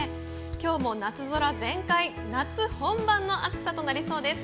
今日も夏空全開夏本番の暑さとなりそうです。